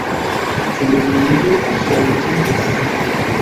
Ĉu nenio ŝanĝiĝis?